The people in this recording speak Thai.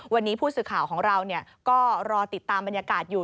วันนี้ผู้สื่อข่าวของเราก็รอติดตามบรรยากาศอยู่